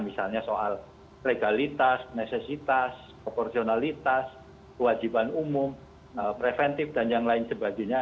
misalnya soal legalitas necesitas proporsionalitas kewajiban umum preventif dan yang lain sebagainya